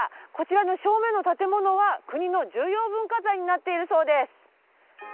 こちらの正面の建物は国の重要文化財になっているそうです。